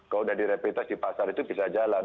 kalau sudah direpi tes di pasar itu bisa jalan